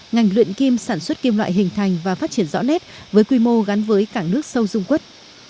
ngành luyện kim sản xuất kim loại hình thành và phát triển rõ nét với quy mô gắn với cảng nước sâu dung quất